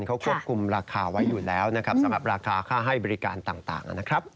เขาควบคุมราคาไว้อยู่แล้วนะครับสำหรับราคาค่าให้บริการต่างนะครับ